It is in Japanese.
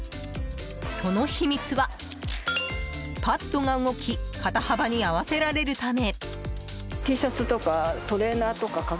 その秘密は、パッドが動き肩幅に合わせられるため。